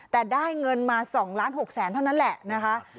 แต่ได้เงินมา๒ล้าน๖แสนเท่านั้นแหละนะคะ